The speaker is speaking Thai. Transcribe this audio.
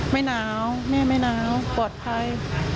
ไม่หนาวแม่ไม่หนาวปลอดภัย